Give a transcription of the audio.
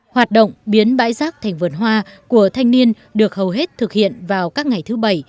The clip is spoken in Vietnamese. hoạt động biến bãi rác thành vườn hoa của thanh niên được hầu hết thực hiện vào các ngày thứ bảy